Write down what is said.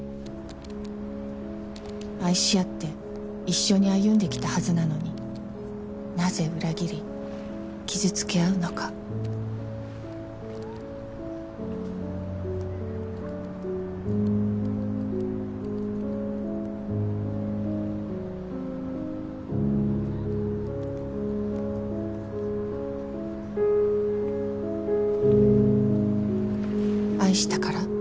愛し合って一緒に歩んできたはずなのになぜ裏切り傷つけ合うのか愛したから？